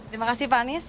terima kasih pak anies